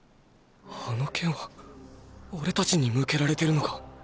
あの剣はオレたちに向けられてるのか？